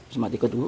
semat ikut bu